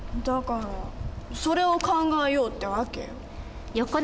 だからそれを考えようって訳よ。